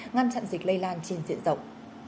ngăn chặn dịch lây lan trên diện rộng